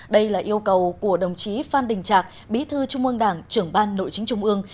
đây là yêu cầu của đồng chí phan đình trạc bí thư trung ương đảng trưởng ban nội chính trung ương